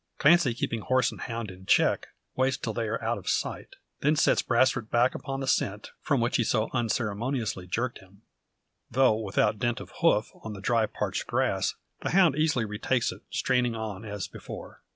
Clancy keeping horse and hound in check, waits till they are out of sight. Then sets Brasfort back upon the scent, from which he so unceremoniously jerked him. Though without dent of hoof on the dry parched grass, the hound easily retakes it, straining on as before.